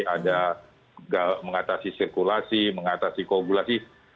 ada mengatasi sirkulasi mengatasi kogulasi